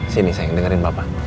sini sayang dengerin papa